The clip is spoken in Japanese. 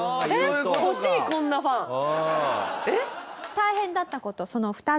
大変だった事その２つ目。